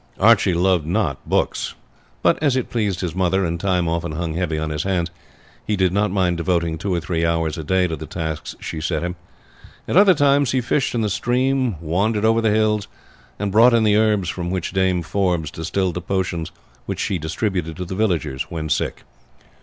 Archie loved not books; but as it pleased his mother, and time often hung heavy on his hands, he did not mind devoting two or three hours a day to the tasks she set him. At other times he fished in the stream, wandered over the hills, and brought in the herbs from which Dame Forbes distilled the potions which she distributed to the villagers when sick.